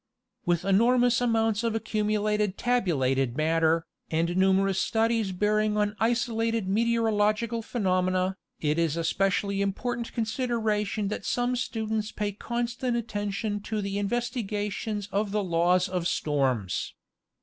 With the enormous amounts of accumulated tabulated matter, and numerous studies bearing on isolated meteorological phe nomena, it is a specially important consideration that some students pay constant attention to the investigations of the laws of storms.